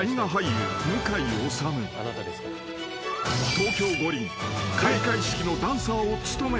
［東京五輪開会式のダンサーを務め］